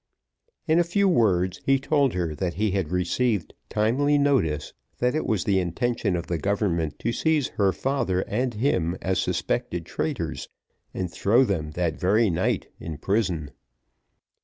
In a few words, he told her that he had received timely notice that it was the intention of the government to seize her father and him as suspected traitors, and throw them that very night in prison.